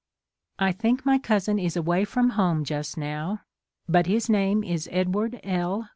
I think my cousin is away from home just now. But his name is Edward L.